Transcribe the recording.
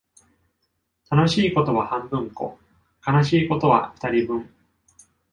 楽しいことは半分こ、悲しいことは二人分